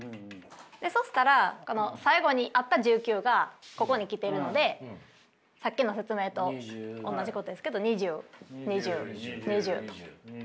そしたら最後にあった１９がここに来ているのでさっきの説明とおんなじことですけど２０２０２０と。